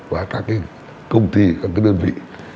và các công ty các đơn vị